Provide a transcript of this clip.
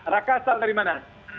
rakasat dari mana